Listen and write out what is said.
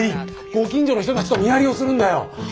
ご近所の人たちと見張りをするんだよ。